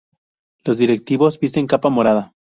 Los directivos visten capa morada.